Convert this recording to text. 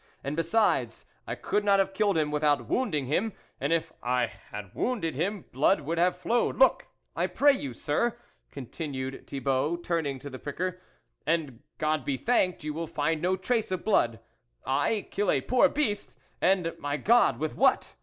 And besides, I could not have killed him without wounding him, and if I had wounded him, blood would have flowed ; look, I pray you, sir," continued Thibault turning to the pricker "and God be thanked, you will find no trace of blood. I, kill a poor beast ! and, my God, with what